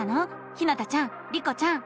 ひなたちゃんリコちゃん。